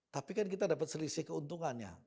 tapi kan kita dapat selisih keuntungannya